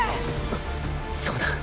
あそうだ！